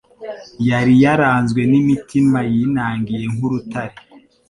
yari yaranzwe n'imitima yinangiye nk'urutare.